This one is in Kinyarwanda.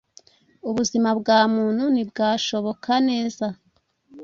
ubuzima bwa muntu ntibwashoboka neza.